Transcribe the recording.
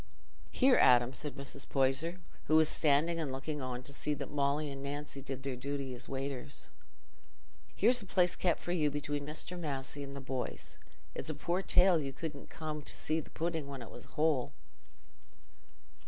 "Here, Adam," said Mrs. Poyser, who was standing and looking on to see that Molly and Nancy did their duty as waiters, "here's a place kept for you between Mr. Massey and the boys. It's a poor tale you couldn't come to see the pudding when it was whole."